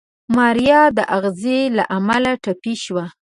ماريا د اغزي له امله ټپي شوه.